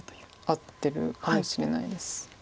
合ってるかもしれないです。